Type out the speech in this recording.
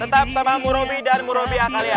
tetap sama murobi dan murobi an kalian